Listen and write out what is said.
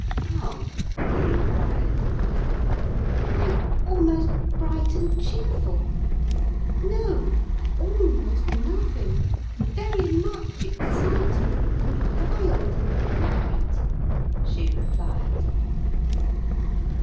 "How?" he inquired. "Why, almost bright and cheerful. No, almost nothing—very much excited, and wild, and glad!" she replied.